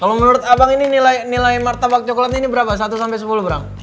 kalo menurut abang ini nilai nilai martabak coklatnya ini berapa satu sepuluh brang